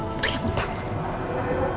itu yang utama